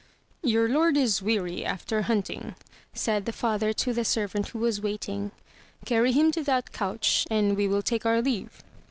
"Your lord is weary after hunting," said the father to the servant who was waiting. "Carry him to that couch; and we will take our leave.